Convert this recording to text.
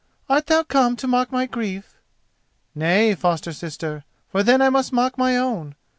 "Art thou come to mock my grief?" "Nay, foster sister, for then I must mock my own.